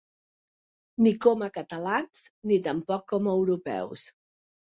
Ni com a catalans ni tampoc com a europeus.